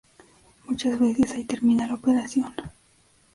Muchas veces ahí termina la operación.